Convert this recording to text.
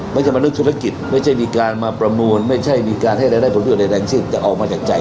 ไม่ใช่มันเรื่องธุรกิจไม่ใช่มีการมาประมูลไม่ใช่มีการให้รายได้ผลประโยชน์อะไรแรงที่จะออกมาจากใจ